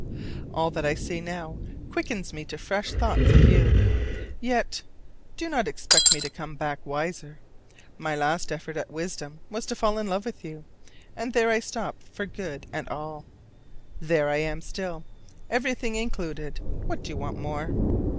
All that I see now quickens me to fresh thoughts of you. Yet do not expect me to come back wiser: my last effort at wisdom was to fall in love with you, and there I stopped for good and all. There I am still, everything included: what do you want more?